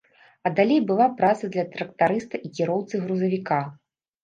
А далей была праца для трактарыста і кіроўцы грузавіка.